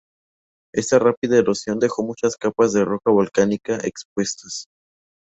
Esta rápida erosión dejó muchas capas de roca volcánica expuestas.